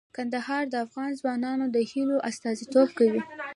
کندهار د افغان ځوانانو د هیلو استازیتوب کوي.